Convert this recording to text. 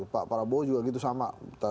pak prabowo juga gitu sama